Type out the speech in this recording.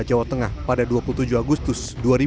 jawa tengah pada dua puluh tujuh agustus dua ribu dua puluh